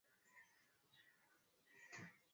Msichana huyo ni mkakamavu sana